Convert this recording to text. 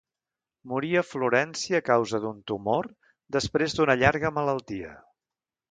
Morí a Florència, a causa d'un tumor, després, d'una llarga malaltia.